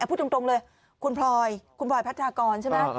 พูดตรงเลยคุณพลอยคุณบอยพัทรากรใช่ไหม